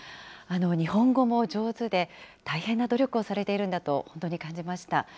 日本語も上手で、大変な努力をされているんだと本当に感じました。